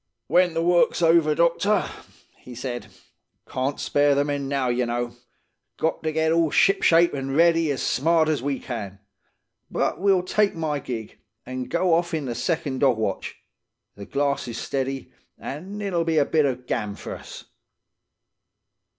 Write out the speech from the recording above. "'When the work's over, doctor,' he said. 'Can't spare the men now, ye know. Got to get all shipshape an' ready as smart as we can. But, we'll take my gig, an' go off in the second dog watch. The glass is steady, an' it'll be a bit of gam for us.